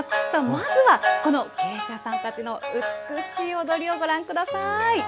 まずはこの芸者さんたちの美しい踊りをご覧ください。